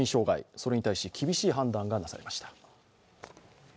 それに対し厳しい判断がなされました。